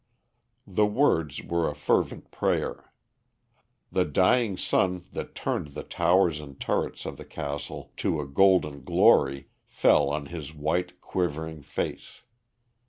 The words were a fervent prayer. The dying sun that turned the towers and turrets of the castle to a golden glory fell on his white, quivering face.